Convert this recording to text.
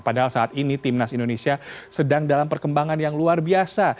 padahal saat ini timnas indonesia sedang dalam perkembangan yang luar biasa